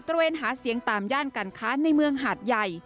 ระเวนหาเสียงตามย่านการค้าในเมืองหาดใหญ่